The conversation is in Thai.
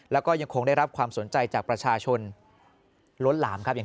แล้วก็ยังคงได้รับความสนใจจากประชาชนล้นหลามครับอย่าง